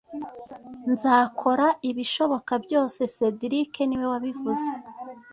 Nzakora ibishoboka byose cedric niwe wabivuze